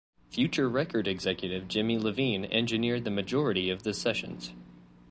Future record executive Jimmy Iovine engineered the majority of the sessions.